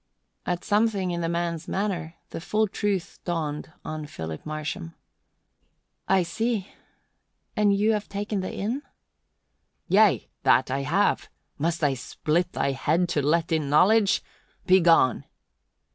At something in the man's manner, the full truth dawned on Philip Marsham. "I see. And you have taken the inn?" "Yea, that I have! Must I split thy head to let in knowledge? Begone!"